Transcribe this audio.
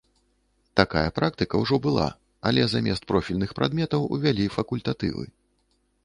Такая практыка ўжо была, але замест профільных прадметаў увялі факультатывы.